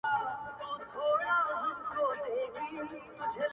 ویل تم سه چي بېړۍ دي را رسیږي٫